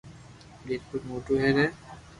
ميرپور موٽو ھير ھي